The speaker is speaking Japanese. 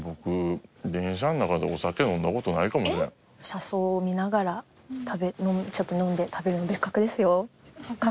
車窓を見ながらちょっと飲んで食べるの別格ですよ格別。